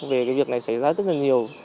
về việc này xảy ra rất là nhiều